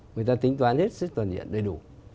người ta tính toán hết sức toàn diện đầy đủ